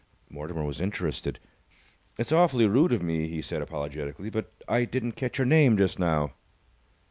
Mortimer was interested. "It's awfully rude of me," he said, apologetically, "but I didn't catch your name just now."